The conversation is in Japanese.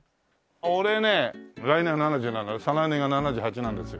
俺ね来年が７７で再来年が７８なんですよ。